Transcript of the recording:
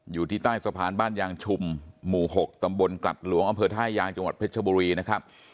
อยู่ที่ใต้สะพานบ้านยางชุมหมู่๖ตำบลกลัดหลวงอำเภอท่ายางจังหวัดเพชรชบุรีนะครับ